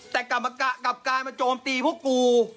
แต่กลับกลายมาโจมตีพวกกู